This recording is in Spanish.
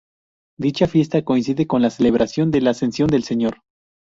Dicha fiesta coincide con la celebración de la Ascensión del Señor.